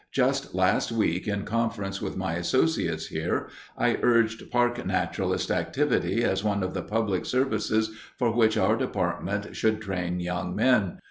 Just last week in conference with my associates here, I urged Park Naturalist activity as one of the public services for which our department should train young men.